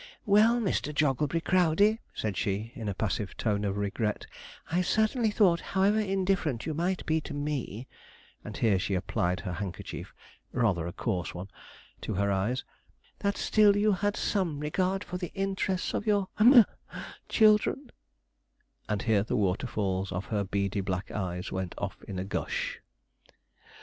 'Well, Mr. Jogglebury Crowdey,' said she, in a passive tone of regret, 'I certainly thought however indifferent you might be to me' (and here she applied her handkerchief rather a coarse one to her eyes) 'that still you had some regard for the interests of your (sob) children'; and here the waterfalls of her beady black eyes went off in a gush.